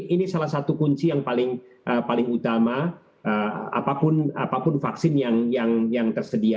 ini salah satu kunci yang paling utama apapun vaksin yang tersedia